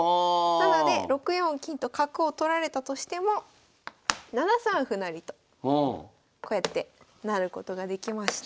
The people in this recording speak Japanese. なので６四金と角を取られたとしても７三歩成とこうやって成ることができまして。